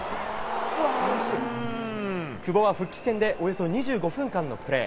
久保は復帰戦でおよそ２５分間のプレー。